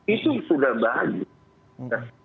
itu sudah bahagia